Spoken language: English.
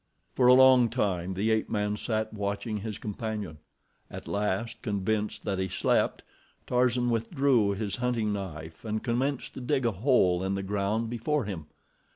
For a long time the ape man sat watching his companion. At last, convinced that he slept, Tarzan withdrew his hunting knife and commenced to dig a hole in the ground before him.